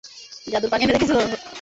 জাদুর পানি এনে রেখেছ তো!